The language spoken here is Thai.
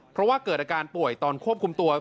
เพราะว่าเกิดอาการป่วยตอนควบคุมตัว